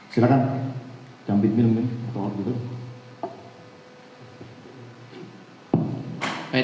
silahkan jump it mill mungkin